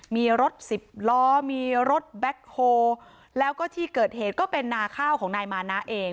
มีรถสิบล้อมีรถแบ็คโฮแล้วก็ที่เกิดเหตุก็เป็นนาข้าวของนายมานะเอง